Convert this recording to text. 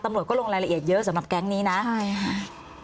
ตำรวจก็ลงรายละเอียดเยอะสำหรับแก๊งนี้นะใช่ค่ะ